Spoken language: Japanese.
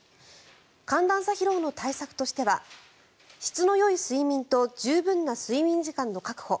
寒暖差疲労の対策としては質のよい睡眠と十分な睡眠時間の確保